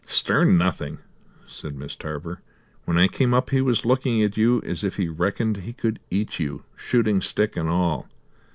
"Stern nothing," said Miss Tarver. "When I came up he was looking at you as if he reckoned he could eat you, shooting stick and all.